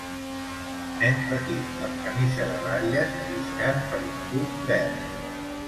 Nen petit amb camisa de ratlles lliscant per un tub verd